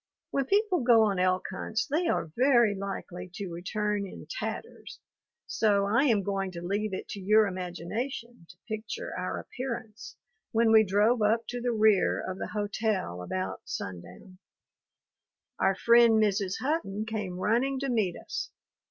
When people go on elk hunts they are very likely to return in tatters, so I am going to leave it to your imagination to picture our appearance when we drove up to the rear of the hotel about sundown. Our friend Mrs. Hutton came running to meet us.